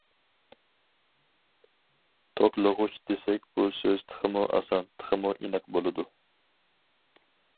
توكلىغۇچ دېسەك بۇ سۆز تېخىمۇ ئاسان تېخىمۇ ئېنىق بولىدۇ.